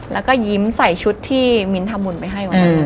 แล้วก็ยิ้มใส่ชุดที่มิ้นทามุนไปให้ก่อน